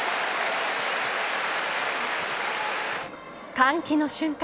歓喜の瞬間